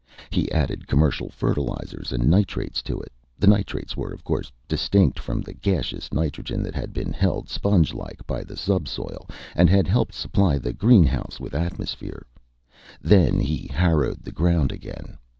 He added commercial fertilizers and nitrates to it the nitrates were, of course, distinct from the gaseous nitrogen that had been held, spongelike, by the subsoil, and had helped supply the greenhouse with atmosphere. Then he harrowed the ground again.